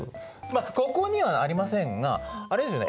ここにはありませんがあれですよね